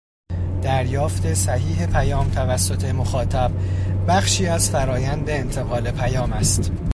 دریافت صحیح پیام توسط مخاطب بخشی از فرآیند انتقال پیام است